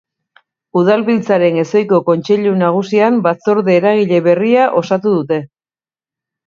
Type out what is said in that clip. Udalbiltzaren ezohiko Kontseilu Nagusian Batzorde Eragile berria osatu dute.